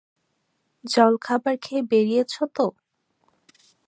জলখাবার খেয়ে বেরিয়েছ তো?